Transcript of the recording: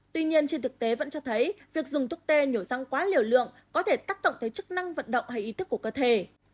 tuy nhiên trên thực tế vẫn cho thấy việc dùng thuốc tê nhổ răng quá liều lượng có thể tác động tới chức năng vận động hay ý thức của cơ thể